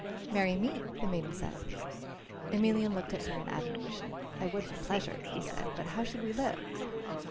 "Marry me," the maiden said. Emelian looked at her in admiration. "I would with pleasure," he said, "but how should we live?"